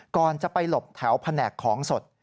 ก่อนจะไปหลบแถวแผนกของสด